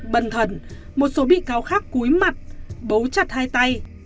bần thần một số bị cáo khác cúi mặt bố chặt hai tay